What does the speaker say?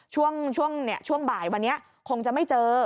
ช่วงบ่ายวันนี้คงจะไม่เจอ